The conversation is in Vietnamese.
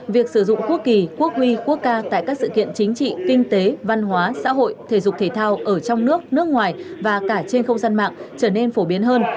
việc sử dụng quốc kỳ quốc huy quốc ca tại các sự kiện chính trị kinh tế văn hóa xã hội thể dục thể thao ở trong nước nước ngoài và cả trên không gian mạng trở nên phổ biến hơn